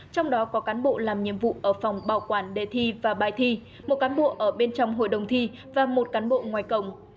trong đó có cán bộ làm nhiệm vụ ở phòng bảo quản đề thi và bài thi một cán bộ ở bên trong hội đồng thi và một cán bộ ngoài cổng